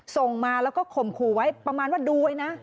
ส่งมาแล้วก็ข่มขู่ไว้ประมาณว่าดูไว้นะ